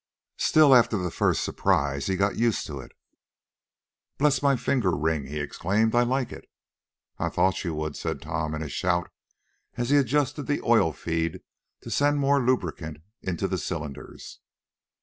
Still, after the first surprise, he got used to it. "Bless my finger ring!" he exclaimed, "I like it!" "I thought you would," said Tom, in a shout, and he adjusted the oil feed to send more lubricant into the cylinders.